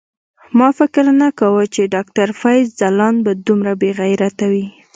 ما فکر نه کاوه چی ډاکټر فیض ځلاند به دومره بیغیرته وی